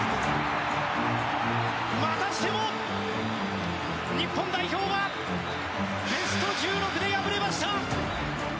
またしても日本代表はベスト１６で敗れました。